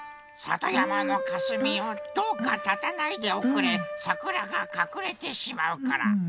さとやまのかすみよどうかたたないでおくれさくらがかくれてしまうから。